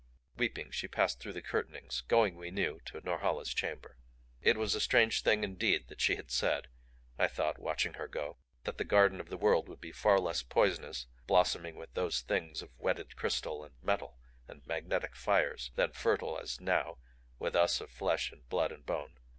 Weeping, she passed through the curtainings, going we knew to Norhala's chamber. It was a strange thing indeed that she had said, I thought, watching her go. That the garden of the world would be far less poisonous blossoming with those Things of wedded crystal and metal and magnetic fires than fertile as now with us of flesh and blood and bone.